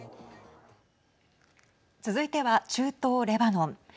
続いては、中東レバノン。